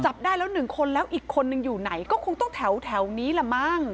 จับได้แล้วหนึ่งคนแล้วอีกคนนึงอยู่ไหนก็คงต้องแถวนี้ละมั้ง